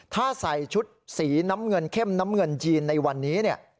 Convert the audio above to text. ถ้าใส่ชุดสีน้ำเงินเข้มน้ำเงินจีนในวันนี้